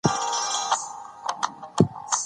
قانون د شخړو د حل لپاره چوکاټ برابروي.